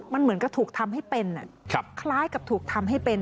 มันเหมือนกับถูกทำให้เป็นคล้ายกับถูกทำให้เป็น